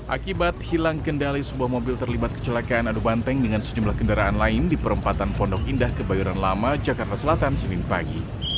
akibat hilang kendali sebuah mobil terlibat kecelakaan adu banteng dengan sejumlah kendaraan lain di perempatan pondok indah kebayoran lama jakarta selatan senin pagi